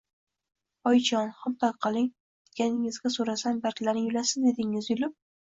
Oyijon, xomtok qiling, deganingizga… so`rasam barglarini yulasiz, dedingiz, yulib…